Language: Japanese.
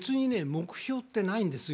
目標ってないんですよ。